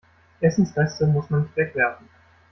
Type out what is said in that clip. Essensreste muss man nicht wegwerfen.